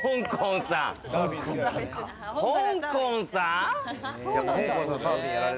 ほんこんさん。